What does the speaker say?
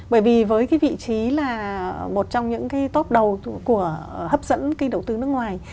bởi vì với cái vị trí là một trong những cái top đầu của hấp dẫn cái đầu tư nước ngoài